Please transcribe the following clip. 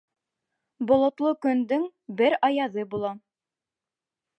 Болотло көндөң бер аяҙы була.